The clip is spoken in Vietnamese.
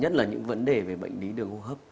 nhất là những vấn đề về bệnh lý đường hô hấp